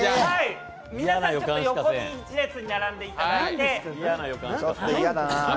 皆さんちょっと横に一列に並んでいただいて。